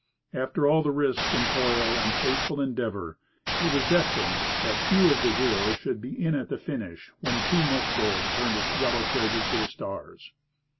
After all the risk and toil and faithful endeavour, it was destined that few of the heroes should be in at the finish when Too Much Gold turned its yellow treasure to the stars.